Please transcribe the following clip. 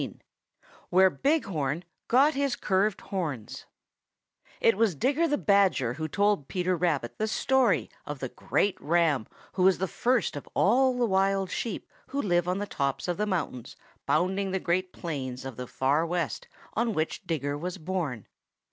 XVI WHERE BIG HORN GOT HIS CURVED HORNS It was Digger the Badger who told Peter Rabbit the story of the great Ram who was the first of all the wild Sheep who live on the tops of the mountains bounding the great plains of the Far West on which Digger was born.